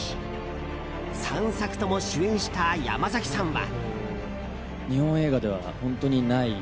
３作とも主演した山崎さんは。